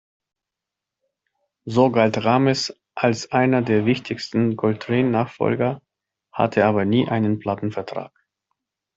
So galt Rhames als einer der wichtigsten Coltrane-Nachfolger, hatte aber nie einen Plattenvertrag.